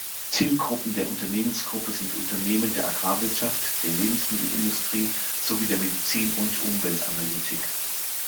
Zielgruppen der Unternehmensgruppe sind Unternehmen der Agrarwirtschaft, der Lebensmittelindustrie sowie der Medizin- und Umweltanalytik.